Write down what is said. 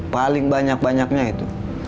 paling banyak banyaknya itu